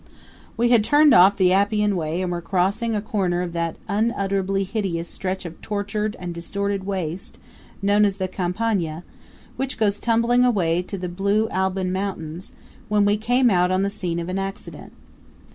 We had turned off the Appian Way and were crossing a corner of that unutterably hideous stretch of tortured and distorted waste known as the Campagna, which goes tumbling away to the blue Alban Mountains, when we came on the scene of an accident.